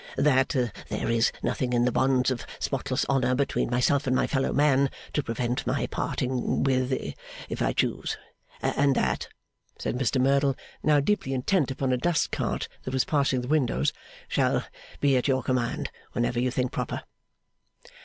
' That, there is nothing in the bonds of spotless honour between myself and my fellow man to prevent my parting with, if I choose. And that,' said Mr Merdle, now deeply intent upon a dust cart that was passing the windows, 'shall be at your command whenever you think proper.